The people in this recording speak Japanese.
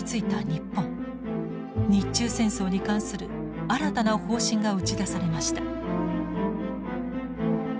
日中戦争に関する新たな方針が打ち出されました。